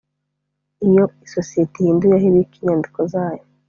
iyo isosiyete ihinduye aho ibika inyandiko zayo